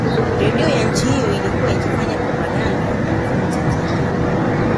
Redio ya nchi hiyo ilikuwa ikifanya propaganda ya kuilaumu Tanzania